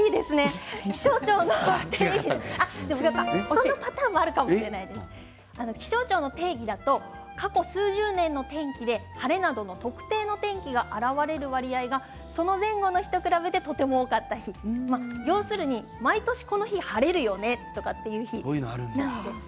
そのパターンもあるかもしれません、気象庁の定義だと過去数十年の天気で晴れなどの特定の天気が現れる割合がその前後の日と比べてとても多かった日要するに毎年この日晴れるよねという日なんですね。